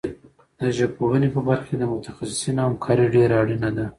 د ژبپوهنې په برخه کې د متخصصینو همکاري ډېره اړینه ده.